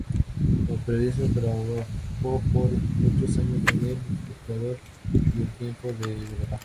Como periodista trabajó por muchos años en "El Espectador" y "El Tiempo" de Bogotá.